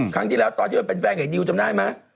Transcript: คำที่แล้วที่เป็นแฟนกับเดี๋ยวอายุจำนายเปล่า